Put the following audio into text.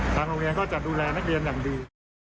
ทางโรงเรียนก็จะดูแลลูกอย่างดี